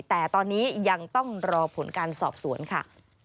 แต่ตอนนี้ยังต้องรอผลการสอบสวนค่ะ